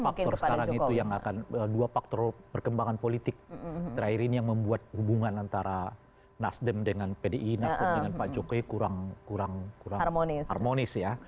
faktor sekarang itu yang akan dua faktor perkembangan politik terakhir ini yang membuat hubungan antara nasdem dengan pdi nasdem dengan pak jokowi kurang harmonis ya